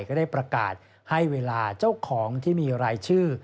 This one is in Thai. ก็ได้ประกาศให้เวลาเจ้าของที่มีรายชื่อ